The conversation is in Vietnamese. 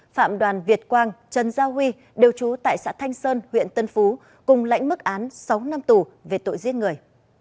phạm đoàn việt quang trần giao huy đều trú tại xã thanh sơn huyện tân phú cùng lãnh mức án sáu năm tù về tội giết người